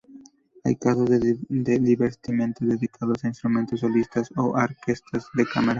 Hay casos de divertimentos dedicados a instrumentos solistas o a orquestas de cámara.